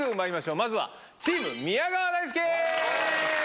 まずはチーム宮川大輔。